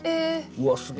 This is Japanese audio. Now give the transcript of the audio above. うわすげえ！